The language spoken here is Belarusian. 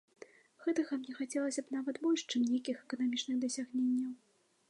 Гэтага мне хацелася б нават больш, чым нейкіх эканамічных дасягненняў.